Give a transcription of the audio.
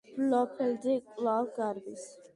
ბლოფელდი კვლავ გარბის.